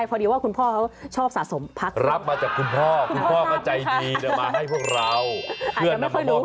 พอดีว่าพ่อเขาชอบสะสมพระเครื่อง